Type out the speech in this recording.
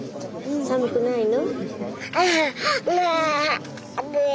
寒くないの？